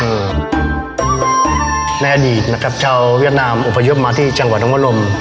ในอดีตนะครับชาวเวียดนามอพยพมาที่จังหวัดน้องลม